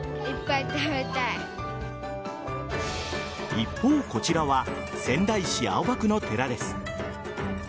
一方こちらは仙台市青葉区の寺です。